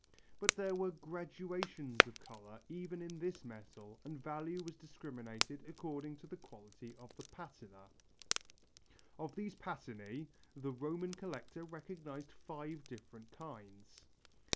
But there were gradations of colour even in this metal and value was discriminated according to the quality of the patina. Of these patinæ the Roman collector recognized five different kinds.